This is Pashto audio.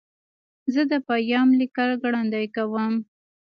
زه د پیام لیکل ګړندي کوم.